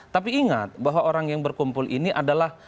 tapi ingat bahwa orang yang berkumpul ini adalah